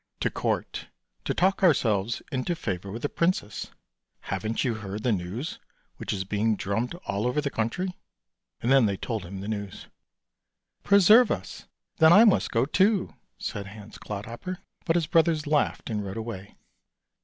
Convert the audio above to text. " To court, to talk ourselves into favour with the princess. Haven't you heard the news which is being drummed all over the country? " And then they told him the news. " Preserve us! then I must go too," said Hans Clodhopper. But his brothers laughed and rode away.